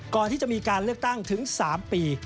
ก่อนที่จะมีการเลือกตั้งถึง๓ปี